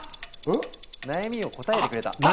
悩みを答えてくれた。